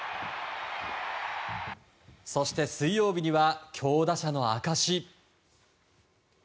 そして、水曜日には強打者の証し。